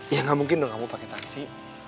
ya ga mungkin dong kamu pake taksi